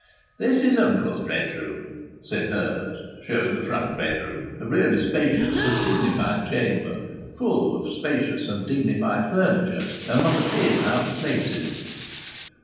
"This is uncle's bedroom," said Herbert, showing the front bedroom, a really spacious and dignified chamber full of spacious and dignified furniture, and not a pin out of place in it.